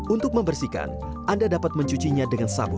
untuk membersihkan anda dapat mencucinya dengan sabun